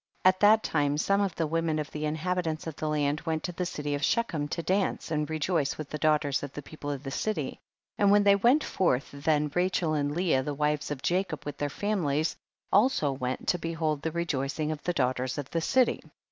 5. At that time some of the women of the inhabitants of the land went to the city of Shechem to dance and rejoice with the daughters of the people of the city, and when they went forth then Rachel and Leah the wives of Jacob with their families also went to behold the rejoicing of the daughters of the city.